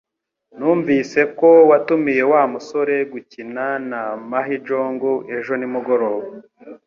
Numvise ko watumiye Wa musore gukina na mahjong ejo nimugoroba